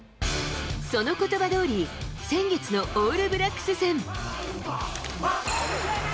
そのことばどおり、先月のオールブラックス戦。